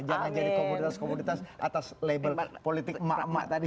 jangan jadi komoditas komoditas atas label politik emak emak tadi